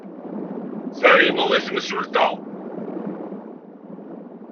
Tɛeyyneḍ i temsulta.